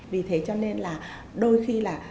vì thế cho nên là đôi khi là